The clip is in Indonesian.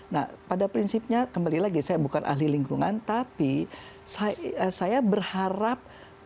nah pada prinsipnya kembali lagi saya bukan ahli lingkungan tapi saya berharap